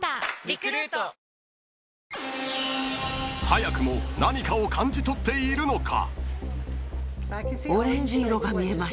［早くも何かを感じ取っているのか？］